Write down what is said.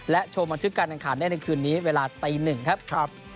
และชมบันทึกการแข่งขันได้ในคืนนี้เวลาตีหนึ่งครับ